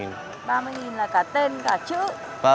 ba mươi nghìn là cả tên cả chữ